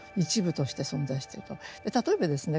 例えばですね